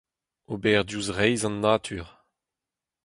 ober diouzh reizh an natur